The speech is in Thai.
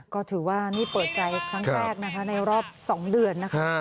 ก็ถือว่านี่เปิดใจครั้งแรกนะคะในรอบ๒เดือนนะคะ